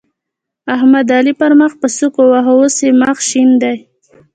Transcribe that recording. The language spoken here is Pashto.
احمد؛ علي پر مخ په سوک وواهه ـ اوس يې مخ شين دی.